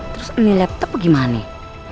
terus ini laptopnya gimana nih